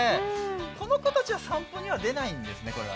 この子たちは散歩には出ないんですね？